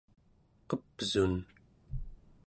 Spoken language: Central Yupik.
qep'sun